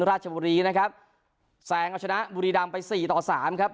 ราชบุรีนะครับแซงเอาชนะบุรีรำไปสี่ต่อสามครับ